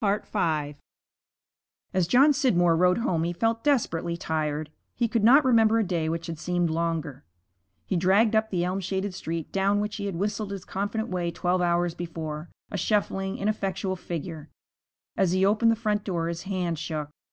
V As John Scidmore rode home he felt desperately tired. He could not remember a day which had seemed longer. He dragged up the elm shaded street, down which he had whistled his confident way twelve hours before, a shuffling, ineffectual figure. As he opened the front door his hand shook.